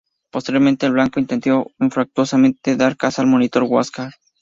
Posteriormente, el "Blanco", intentó infructuosamente dar caza al monitor "Huáscar".